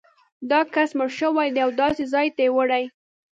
دا کس مړ شوی دی او داسې ځای ته یې وړي.